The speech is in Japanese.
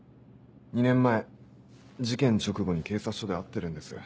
２年前事件直後に警察署で会ってるんです。